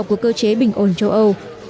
của cơ chế bình ổn châu âu